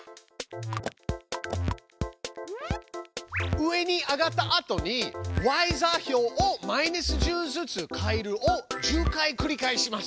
上に上がったあとに「ｙ座標をマイナス１０ずつ変える」を１０回繰り返します。